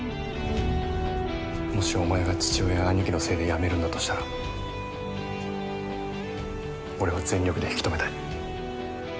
もしお前が父親や兄貴のせいで辞めるんだとしたら俺は全力で引き留めたい。